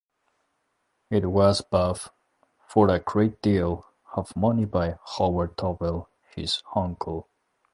It was bought for a geat deal of money by Howard Dobell, his uncle.